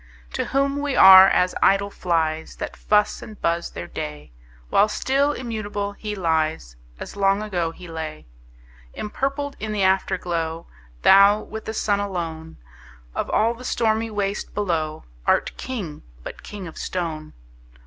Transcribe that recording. To whom we are as idle flies, That fuss and buzz their day; While still immutable he lies, As long ago he lay. Empurpled in the Afterglow, Thou, with the Sun alone, Of all the stormy waste below, Art King, but king of stone!